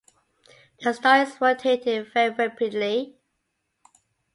The star is rotating very rapidly.